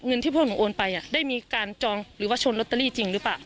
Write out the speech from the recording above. ที่พวกหนูโอนไปได้มีการจองหรือว่าชนลอตเตอรี่จริงหรือเปล่า